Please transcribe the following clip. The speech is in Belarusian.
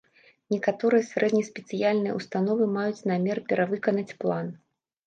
Некаторыя сярэднеспецыяльныя ўстановы маюць намер перавыканаць план.